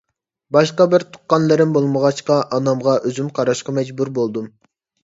باشقا بىر تۇغقانلىرىم بولمىغاچقا، ئانامغا ئۆزۈم قاراشقا مەجبۇر بولدۇم.